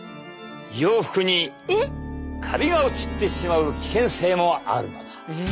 洋服にカビがうつってしまう危険性もあるのだ。